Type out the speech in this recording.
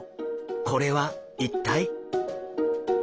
これは一体？